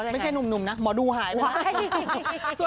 ไม่ใช่นุ่มนะมา้ดุหายไปละ